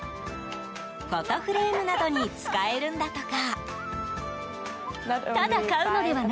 フォトフレームなどに使えるんだとか。